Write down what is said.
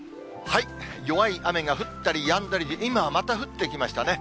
弱い雨が降ったりやんだりで、今また降ってきましたね。